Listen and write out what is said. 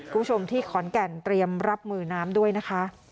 คุณผู้ชมที่ขอนแก่นเตรียมรับมือน้ำด้วยนะคะ